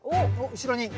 後ろに。